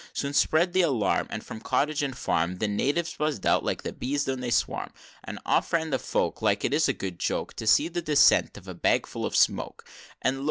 IX. Soon spread the alarm, And from cottage and farm, The natives buzz'd out like the bees when they swarm; And off ran the folk, It is such a good joke To see the descent of a bagful of smoke. X. And lo!